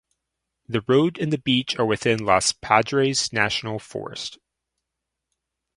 The road and the beach are within the Los Padres National Forest.